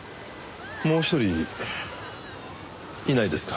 もう一人いないですか？